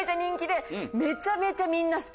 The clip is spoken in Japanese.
めちゃめちゃみんな好き。